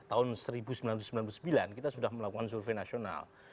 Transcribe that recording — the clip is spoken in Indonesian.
tahun seribu sembilan ratus sembilan puluh sembilan kita sudah melakukan survei nasional